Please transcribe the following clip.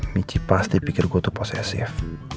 michi pasti pikir gue tuh posesif